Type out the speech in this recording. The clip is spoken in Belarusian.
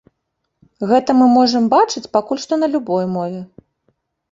Гэта мы можам бачыць пакуль што на любой мове.